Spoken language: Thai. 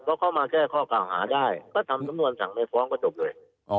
ก็เข้ามาแก้ข้อกล่าวหาได้ก็ทำสำนวนสั่งไปฟ้องก็จบเลย